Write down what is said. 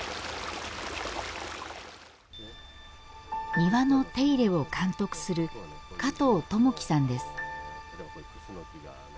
庭の手入れを監督する加藤友規さんです。